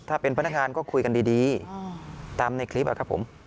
ถ้าเป็นพนักงานก็คุยกันดีตามในคลิปครับผม